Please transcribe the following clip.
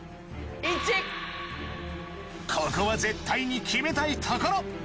ここは絶対に決めたいところ。